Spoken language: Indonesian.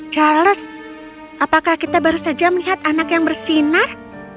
charles apakah kita baru saja melihat anak yang bersinar